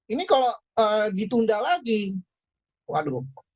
ini kalau ditunda lagi waduh